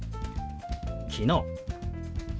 「昨日」。